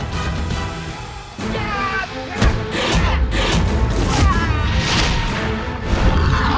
dan apaan yang harus historical